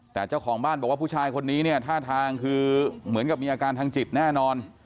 แต่เจ้าของบ้านบอกว่าผู้ชายคนนี้เนี่ยท่าทางคือเหมือนกับมีอาการทางจิตแน่นอน